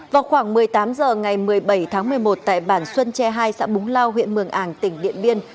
vào khoảng một mươi tám h ngày một mươi bảy tháng một mươi một tại bản xuân tre hai xã búng lao huyện mường ảng tỉnh điện biên